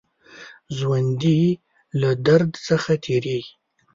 ژوندي له درد څخه تېرېږي